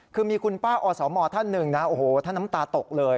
คือมีคุณป้าอสมท่านหนึ่งนะโอ้โหท่านน้ำตาตกเลย